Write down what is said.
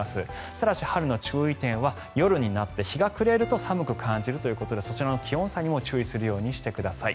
ただし、春の注意点は夜になって日が暮れると寒く感じるということでそちらの気温差にも注意してください。